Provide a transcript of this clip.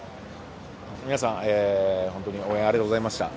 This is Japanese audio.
皆さん、本当に応援ありがとうございました。